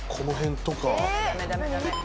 ダメダメダメ。